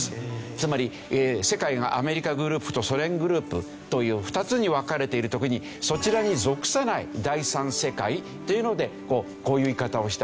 つまり世界がアメリカグループとソ連グループという２つに分かれている時にそちらに属さない第３世界っていうのでこういう言い方をした。